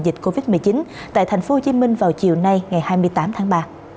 tình hình dịch covid một mươi chín tại tp hcm vào chiều nay ngày hai mươi tám tháng ba